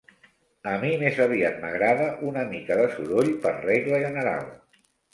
A mi més aviat m'agrada una mica de soroll, per regla general.